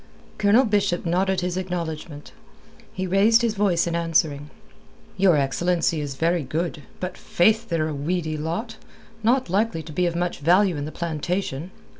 Colonel Bishop nodded his acknowledgment. He raised his voice in answering. "Your excellency is very good. But, faith, they're a weedy lot, not likely to be of much value in the plantation."